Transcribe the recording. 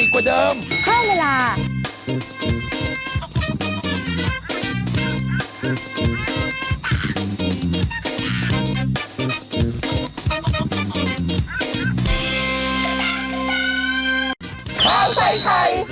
ข้าวไทยไทย